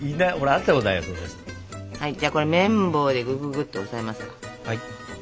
はいじゃあこれ麺棒でぐぐぐっと押さえます。